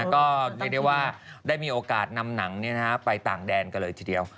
ก็ได้มีโอกาสนำหนังไปต่างแดนกันเลยทีเดียว